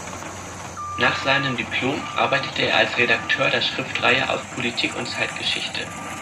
Nach seinem Diplom arbeitete er als Redakteur der Schriftenreihe "Aus Politik und Zeitgeschichte".